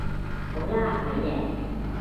好啦你贏